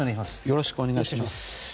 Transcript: よろしくお願いします。